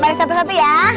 baris satu satu ya